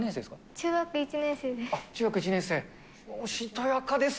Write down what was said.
中学１年生です。